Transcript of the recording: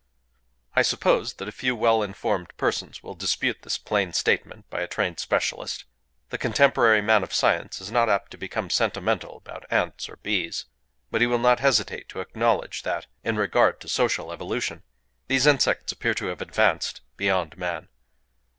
I suppose that a few well informed persons will dispute this plain statement by a trained specialist. The contemporary man of science is not apt to become sentimental about ants or bees; but he will not hesitate to acknowledge that, in regard to social evolution, these insects appear to have advanced "beyond man."